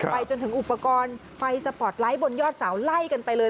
ไปจนถึงอุปกรณ์ไฟสปอร์ตไลท์บนยอดเสาไล่กันไปเลย